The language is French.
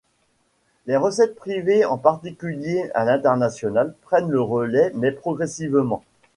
Les recettes privées, en particulier à l'international, prennent le relais mais progressivement.